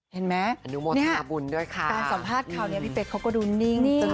เห็นไหมอนุโมทนาบุญด้วยค่ะการสัมภาษณ์คราวนี้พี่เป๊กเขาก็ดูนิ่ง